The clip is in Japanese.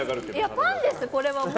パンです、これはもう。